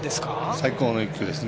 最高の一球ですね。